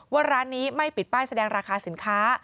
ร้านนี้ไม่ปิดป้ายแสดงราคาสินค้า